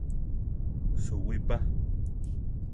Suwí pa!